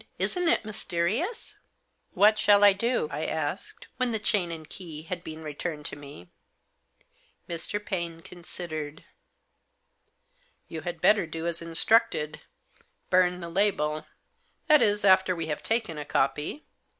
" Isn't it mysterious ?"" What shall I do ?" I asked, when the chain and key had been returned to me. Mr. Paine considered. " You had better do as instructed — burn the label ; that is, after we have taken a copy.